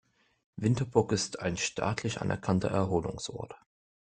Winterburg ist ein staatlich anerkannter Erholungsort.